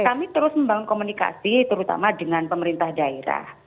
kami terus membangun komunikasi terutama dengan pemerintah daerah